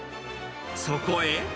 そこへ。